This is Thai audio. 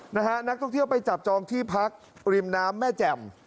นะฮะนักท่องเที่ยวไปจับจองที่พักริมน้ำแม่แจ่ม